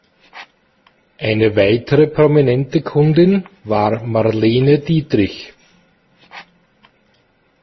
Eine weitere prominente Kundin war Marlene Dietrich.